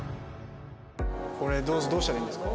これどうしたらいいんですか？